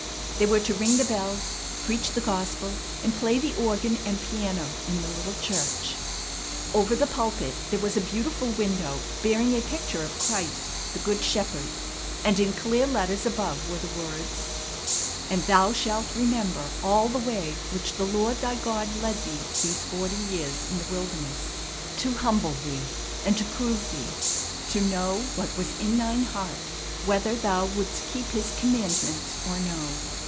They were to ring the bells, preach the gospel and play the organ and piano in the little church. Over the pulpit there was a beautiful window bearing a picture of Christ, the Good Shepherd, and in clear letters above were the words: "And thou shalt remember all the way which the Lord thy God led thee these forty years in the wilderness, to humble thee, and to prove thee, to know what was in thine heart, whether thou wouldst keep his commandments, or no."